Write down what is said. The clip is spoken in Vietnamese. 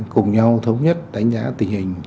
cùng nhau thống nhất đánh giá tình hình